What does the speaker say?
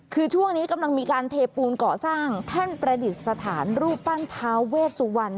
คือช่วงนี้กำลังมีการเทปูนเกาะสร้างแท่นประดิษฐานรูปปั้นท้าเวสวรรณ